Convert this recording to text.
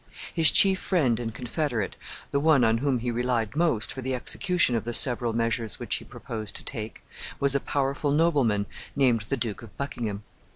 His chief friend and confederate, the one on whom he relied most for the execution of the several measures which he proposed to take, was a powerful nobleman named the Duke of Buckingham.